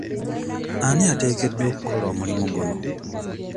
Ani ateekeddwa okukola omulimu guno?